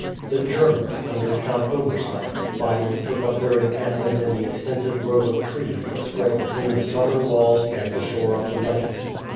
The Germans, under Count Overstein, finally took up their encampment in the extensive grove of trees that spread between the southern walls and the shore of the lake.